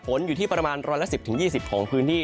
ฝนอยู่ที่ประมาณร้อยละ๑๐๒๐ของพื้นที่